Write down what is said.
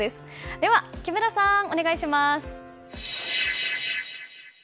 では木村さん、お願いします。